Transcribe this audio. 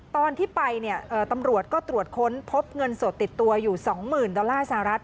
ตอนที่ไปเนี่ยตำรวจก็ตรวจค้นพบเงินสดติดตัวอยู่๒๐๐๐ดอลลาร์สหรัฐ